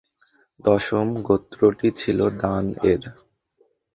দশম গোত্রটি ছিল দান-এর।